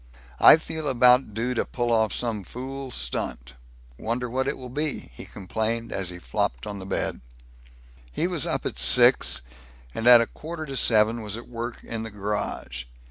"I feel about due to pull off some fool stunt. Wonder what it will be?" he complained, as he flopped on the bed. He was up at six, and at a quarter to seven was at work in the garage.